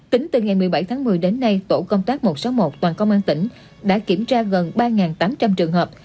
tính từ ngày một mươi bảy tháng một mươi đến nay tổ công tác một trăm sáu mươi một toàn công an tỉnh đã kiểm tra gần ba tám trăm linh trường hợp